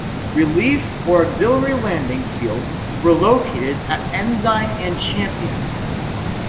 Relief or auxiliary landing fields were located at Ensign and Champion.